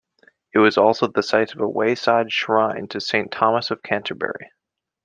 It was also the site of a wayside shrine to Saint Thomas of Canterbury.